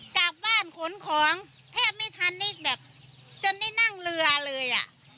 กลับบ้านขนของแทบไม่ทันนี่แบบจนได้นั่งเรือเลยอ่ะ